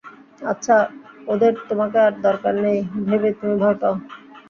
আচ্ছা, ওদের তোমাকে আর দরকার নেই ভেবে তুমি ভয় পাও।